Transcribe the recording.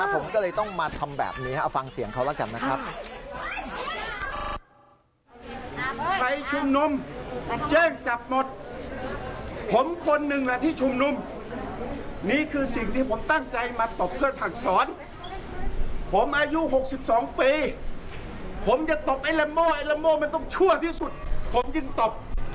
ผมก็เลยต้องมาทำแบบนี้เอาฟังเสียงเขาแล้วกันนะครับ